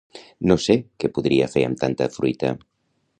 No sé que podria fer amb tanta fruita